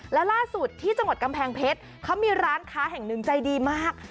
แล้วล่าสุดที่จังหวัดกำแพงเพชรเขามีร้านค้าแห่งหนึ่งใจดีมาก